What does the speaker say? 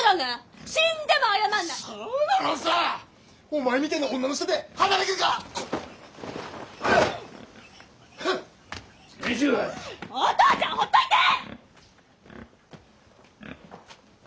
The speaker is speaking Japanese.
お父ちゃんほっといて！